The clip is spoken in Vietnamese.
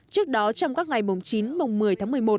trước đó trong các ngày chín một mươi tháng một mươi một